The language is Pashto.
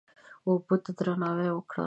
اوبه ته درناوی وکړه.